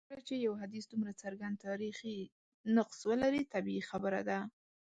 کله چي یو حدیث دومره څرګند تاریخي نقص ولري طبیعي خبره ده.